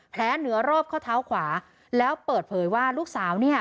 เหนือรอบข้อเท้าขวาแล้วเปิดเผยว่าลูกสาวเนี่ย